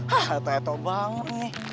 hah teteh banget nih